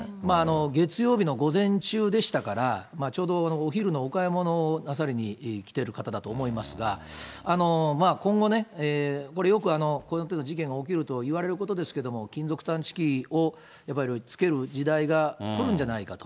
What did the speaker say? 月曜日の午前中でしたから、ちょうどお昼のお買い物をなさりに来ている方だと思いますが、今後ね、これ、よくこの手の事件が起きるといわれることですけれども、金属探知機をやっぱりつける時代が来るんじゃないかと。